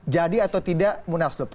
jadi atau tidak munaslup